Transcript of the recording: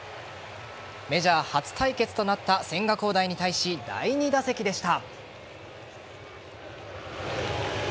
メジャー初対決となった千賀滉大に対し、第２打席でした。